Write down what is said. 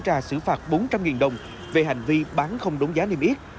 nhân dân phường an hải tây quận sơn trà xử phạt bốn trăm linh đồng về hành vi bán không đúng giá niêm yết